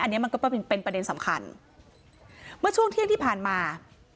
อันนี้มันก็เป็นเป็นประเด็นสำคัญเมื่อช่วงเที่ยงที่ผ่านมา